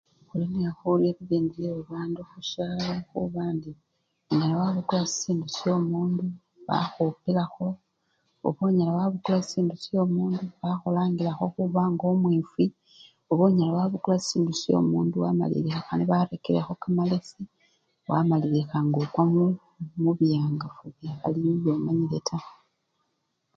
Khulinekhurya bibindu byebabandu khusyalo khuba ndi onyala wabukula sisindu syomundu bakhupilakho oba onyala wabukula sisindu syomundu bakhulangilakho khuba ngomwifwi oba onyala wabukula sisindu syomundu wamala khana barekerekho kamalesi bamalile ngokwa mubiyangafu.